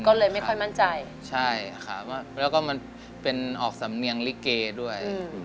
ก็เลยไม่ค่อยมั่นใจใช่ครับแล้วก็มันเป็นออกสำเนียงลิเกด้วย